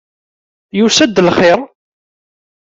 Yusa-d lxir!